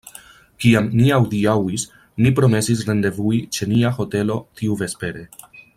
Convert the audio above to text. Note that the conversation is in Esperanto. Kiam ni adiaŭis, ni promesis rendevui ĉe nia hotelo tiuvespere.